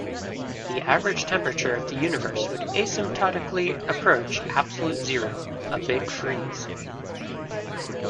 The average temperature of the universe would asymptotically approach absolute zero-a Big Freeze.